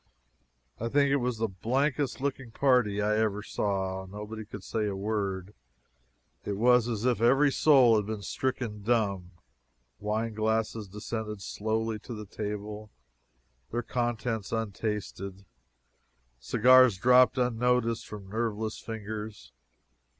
I think it was the blankest looking party I ever saw. Nobody could say a word. It was as if every soul had been stricken dumb. Wine glasses descended slowly to the table, their contents untasted. Cigars dropped unnoticed from nerveless fingers.